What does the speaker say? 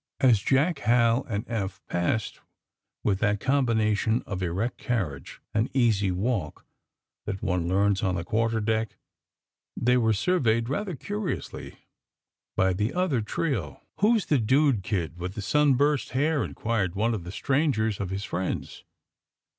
As Jack, Hal and Eph passed with that combi nation of erect carriage and easy walk that one ieams on the quarter deck, they were surveyed rather curiously by the other trio. *' Who^s the dude kid with the sunburst hair?" inquired one of the strangers of his friends.